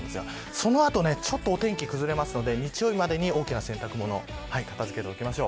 その後ちょっとお天気崩れるので、日曜日までに大きな洗濯物を片付けておきましょう。